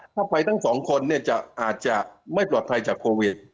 ถ้าไปทั้งสองคนเนี่ยจะอาจจะไม่ปลอดภัยจากโควิด